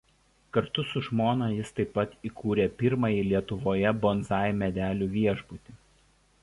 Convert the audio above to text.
Kartu su žmona jis taip pat įkūrė pirmąjį Lietuvoje bonsai medelių viešbutį.